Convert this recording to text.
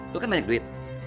lu kan banyak duit